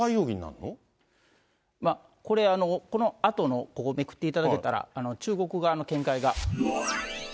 これ、このあとの、ここをめくっていただけたら、中国側の見解が。